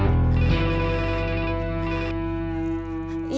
ia sudah selesai